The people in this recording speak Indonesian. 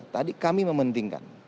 tadi kami mementingkan